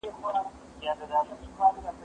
زه به اوږده موده مړۍ خوړلي وم!!